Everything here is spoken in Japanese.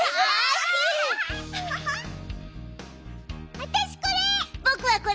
あたしこれ！